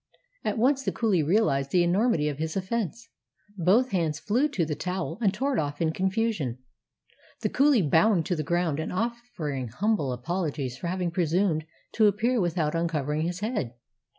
At once the coolie realized the enormity of his offense. Both hands flew to the towel, and tore it off in confusion, the coolie bowing to the ground and offering humble apologies for having presumed to appear without uncov ering his head.